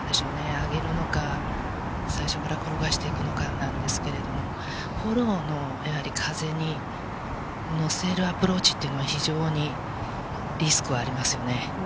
上げるのか、最初から転がしていくのかなんですけれども、フォローの風にのせるアプローチっていうのは、非常にリスクがありますよね。